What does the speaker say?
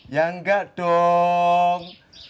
ya enggak dong